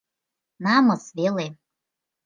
Намыс веле.